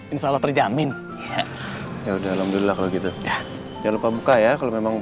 ini di tujuan